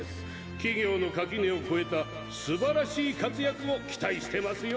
企業の垣根を越えたすばらしい活躍を期待してますよ。